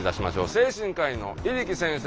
精神科医の入來先生